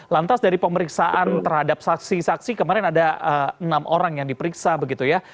lantas dari pemeriksaan terhadap saksi saksi kemarin ada enam orang yang diperiksa begitu ya